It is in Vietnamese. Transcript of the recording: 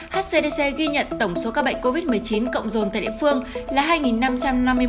hcdc ghi nhận tổng số ca bệnh covid một mươi chín cộng rồn tại địa phương là hai năm trăm năm mươi một ca